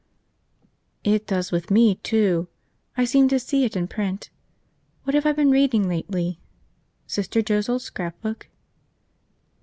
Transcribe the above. "It does with me, too. I seem to see it in print. What have I been reading lately? Sister Joe's old scrapbook?"